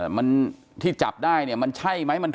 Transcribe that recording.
กลุ่มวัยรุ่นกลัวว่าจะไม่ได้รับความเป็นธรรมทางด้านคดีจะคืบหน้า